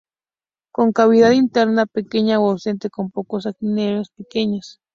Con cavidad interna pequeña o ausente, con pocos aquenios pequeños.